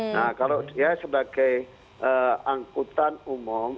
nah kalau dia sebagai angkutan umum